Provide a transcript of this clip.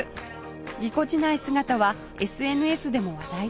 ぎこちない姿は ＳＮＳ でも話題となりました